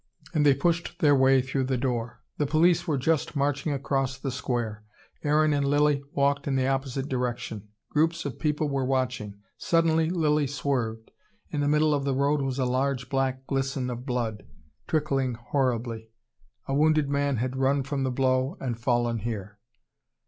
And they pushed their way through the door. The police were just marching across the square. Aaron and Lilly walked in the opposite direction. Groups of people were watching. Suddenly Lilly swerved in the middle of the road was a large black glisten of blood, trickling horribly. A wounded man had run from the blow and fallen here.